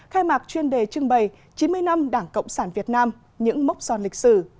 khai mạc chuyên đề trưng bày chín mươi năm đảng cộng sản việt nam những mốc son lịch sử